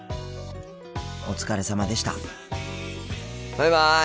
お疲れさまでした。